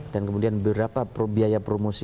dan kemudian berapa biaya promosi